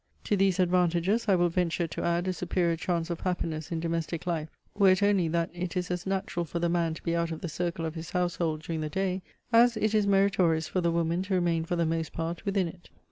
To these advantages I will venture to add a superior chance of happiness in domestic life, were it only that it is as natural for the man to be out of the circle of his household during the day, as it is meritorious for the woman to remain for the most part within it.